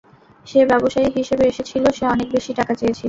সে ব্যবসায়ী হিসাবে এসেছিলো, - সে অনেক বেশি টাকা চেয়েছিল।